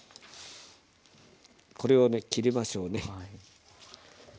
これをね切りましょうね。